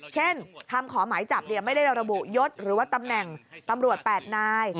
เช่นคำขอหมายจับไม่ได้ระบุยศหรือว่าตำแหน่งตำรวจ๘นาย